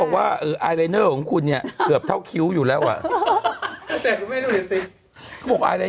ขนาดสามีไทยยังเอาไม่รอด